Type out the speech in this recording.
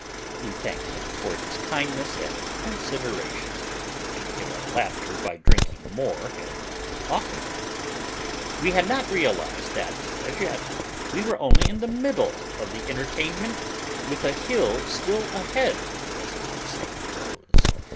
We thanked him for his kindness and consideration, and hid our laughter by drinking more and oftener. We had not realized that, as yet, we were only in the middle of the entertainment, with a hill still ahead, as the saying goes.